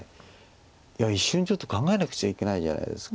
いや一瞬ちょっと考えなくちゃいけないじゃないですか。